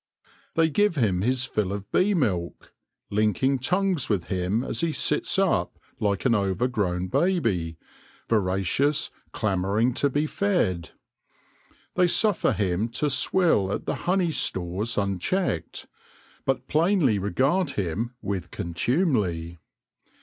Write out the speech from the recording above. They give him his fill of bee milk, linking tongues with him as he sits up like an overgrown baby, voracious, clamouring to be fed. They suffer him to swill at the honey stores unchecked, but plainly regard him with con tumely.